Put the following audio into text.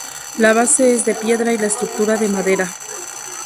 La base es de piedra y la estructura de madera.